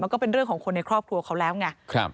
ก็เป็นเรื่องของคนในครอบครัวเขาแล้วไง